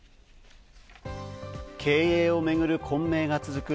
経営をめぐる混迷が続く